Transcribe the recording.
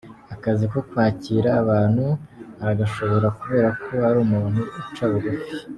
Akazi ko kwakira abantu aragashobora kubera ko ari umuntu uca bugufi.